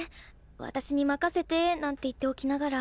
私に任せてなんて言っておきながら。